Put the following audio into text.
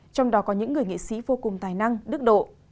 trong đó có những người nghệ sĩ vô cùng tài năng đức độ